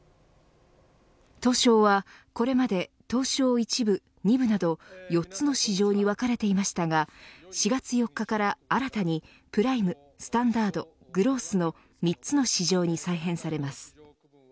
東証はこれまで東証１部、２部など４つの市場に分かれていましたが４月４日から新たにプライム、スタンダードグロースの３つの市場に再編されます。